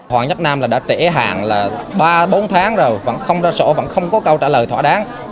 hoàng nhân nam đã trễ hàng ba bốn tháng rồi vẫn không ra sổ vẫn không có câu trả lời thỏa đáng